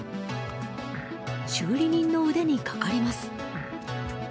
修理人の腕にかかります。